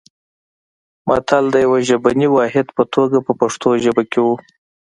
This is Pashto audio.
متل د یوه ژبني واحد په توګه په پښتو ژبه کې و